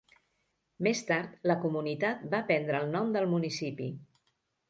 Més tard, la comunitat va prendre el nom del municipi.